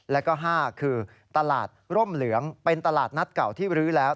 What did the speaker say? แล้วก็๕คือตลาดร่มเหลืองเป็นตลาดนัดเก่าที่รื้อแล้ว